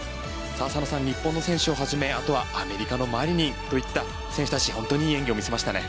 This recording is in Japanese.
佐野さん、日本選手をはじめアメリカのマリニンといった選手たちが本当にいい演技を見せましたね。